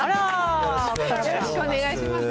よろしくお願いします。